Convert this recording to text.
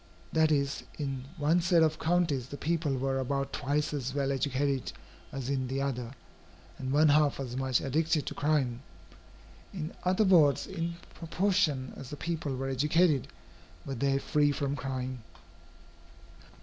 That is, in one set of counties, the people were about twice as well educated as in the other, and one half as much addicted to crime. In other words, in proportion as the people were educated, were they free from crime.